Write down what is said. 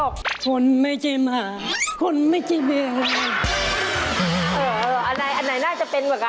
คนไม่ใช่หมาคนไม่ใช่แมว